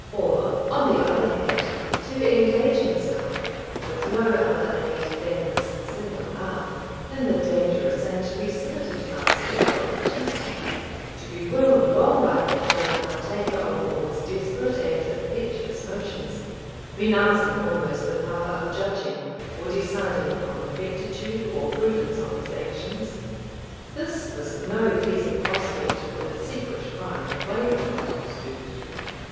Or, on the other hand, to engage himself, with no other aid than his single arm, in the dangerous and precipitate counsels of the Chieftain, to be whirled along by him, the partaker of all his desperate and impetuous motions, renouncing almost the power of judging, or deciding upon the rectitude or prudence of his actions, this was no pleasing prospect for the secret pride of Waverley to stoop to.